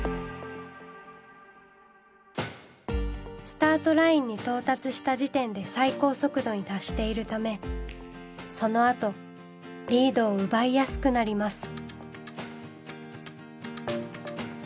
スタートラインに到達した時点で最高速度に達しているためそのあとリードを奪いやすくなります。